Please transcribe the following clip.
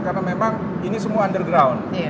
karena memang ini semua underground